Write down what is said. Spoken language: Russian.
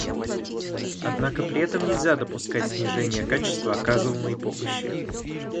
Однако при этом нельзя допускать снижения качества оказываемой помощи.